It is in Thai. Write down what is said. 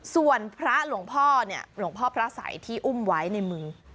ส่วนพระหลวงพ่อเนี่ยหลวงพ่อพระสัยที่อุ้มไว้ในมือ